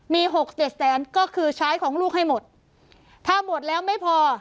มีหกเจ็ดแสนก็คือใช้ของลูกให้หมดถ้าหมดแล้วไม่พอ